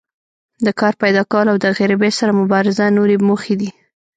د کار پیداکول او د غریبۍ سره مبارزه نورې موخې دي.